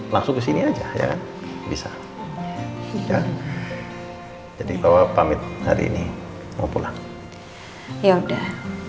langsung ke sini aja ya bisa jadi bawa pamit hari ini mau pulang ya udah